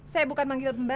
saya bukan manggil mbak